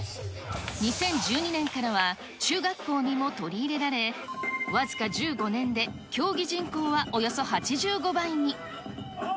２０１２年からは中学校にも取り入れられ、僅か１５年で競技人口はおよそ８５倍に。